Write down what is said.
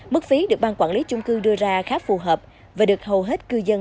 mức phí được ban quản lý chung cư đưa ra khá phù hợp và được hầu hết cư dân